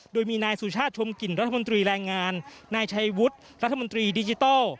โดยมีนายสุชาติชมกลิ่นรัฐมนตรีแรงงานนายชัยวุฒิรัฐมนตรีดิจิทัล